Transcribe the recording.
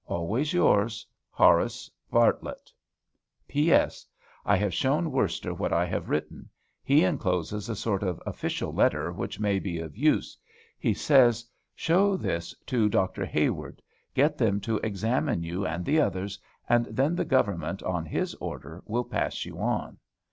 Always yours, HORACE BARTLETT. P. S. I have shown Worster what I have written; he encloses a sort of official letter which may be of use. He says, "Show this to Dr. Hayward; get them to examine you and the others, and then the government, on his order, will pass you on."